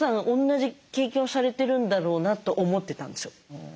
おんなじ経験をされてるんだろうなと思ってたんですよ。